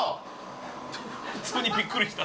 普通にびっくりした。